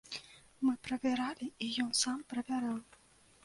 Мы правяралі, і ён сам правяраў.